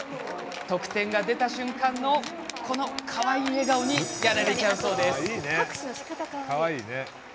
得点が出た瞬間のかわいい笑顔にやられちゃうそうです。